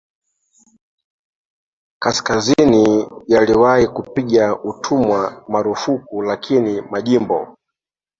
kaskazini yaliwahi kupiga utumwa marufuku lakini majimbo